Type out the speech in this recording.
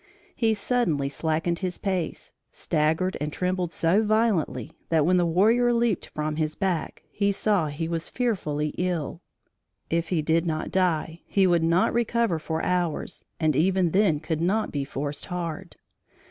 He suddenly slackened his pace, staggered and trembled so violently, that, when the warrior leaped from his back, he saw he was fearfully ill. If he did not die, he would not recover for hours and even then could not be forced hard.